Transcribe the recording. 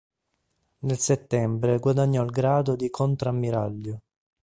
Nel settembre guadagnò il grado di contrammiraglio.